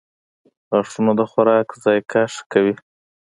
• غاښونه د خوراک ذایقه ښه کوي.